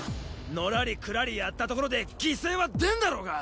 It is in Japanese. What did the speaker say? のらりくらりやったところで犠牲は出んだろが！